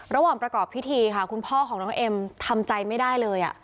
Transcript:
ระหว่างประกอบพิธีค่ะคุณพ่อของน้องเอ็มทำใจไม่ได้เลย